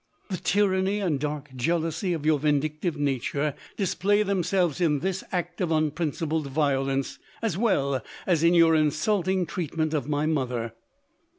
The tyranny and dark jealousy of your vindictive nature display themselves in this act of unprincipled violence, as well as in your insulting treatment of my mother.